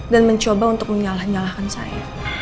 dan mencoba untuk menyalah nyalahkan saya